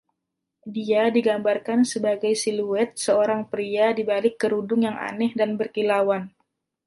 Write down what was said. Dia digambarkan sebagai siluet seorang pria di balik kerudung yang aneh dan berkilauan.